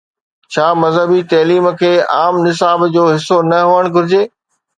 ڇا مذهبي تعليم کي عام نصاب جو حصو نه هئڻ گهرجي؟